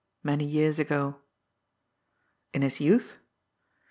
Many years ago. In his youth